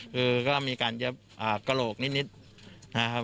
คือก็มีอาการเย็บอ่ากะโหลกนิดนิดนะครับ